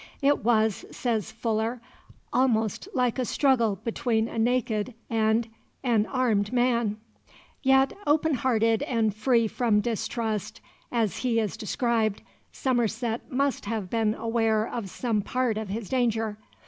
It was, says Fuller, almost like a struggle between a naked and an armed man. Yet, open hearted and free from distrust as he is described, Somerset must have been aware of some part of his danger.